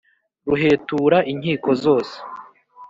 ruhetura inkiko zose,